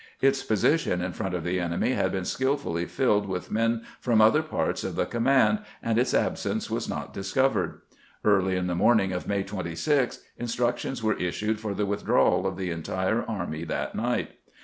Its position in front of the enemy had been skilfully filled with men from the other parts of the command, and its absence was not discovered. Early in the morning of May 26 instructions were issued for the withdrawal of the entire army that night.